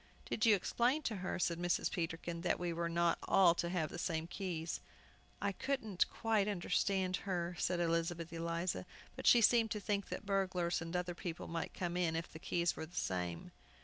"Did you explain to her," said Mrs. Peterkin, "that we were not all to have the same keys?" "I couldn't quite understand her," said Elizabeth Eliza, "but she seemed to think that burglars and other people might come in if the keys were the same."